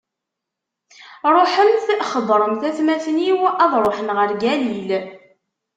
Ṛuḥemt, xebbṛemt atmaten-iw ad ṛuḥen ɣer Galil.